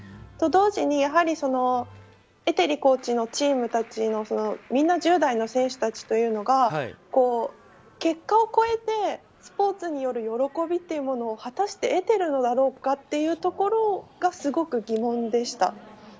と、同時にエテリコーチのチームたちのみんな１０代の選手たちが結果を超えてスポーツによる喜びというものを果たして、得ているのだろうかというところがすごく疑問でした。